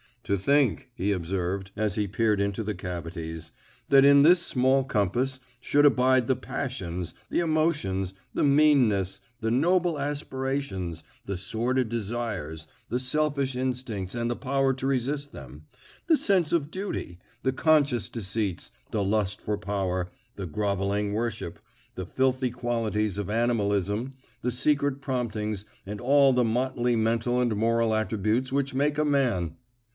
"To think," he observed, as he peered into the cavities, "that in this small compass should abide the passions, the emotions, the meannesses, the noble aspirations, the sordid desires, the selfish instincts and the power to resist them, the sense of duty, the conscious deceits, the lust for power, the grovelling worship, the filthy qualities of animalism, the secret promptings, and all the motley mental and moral attributes which make a man!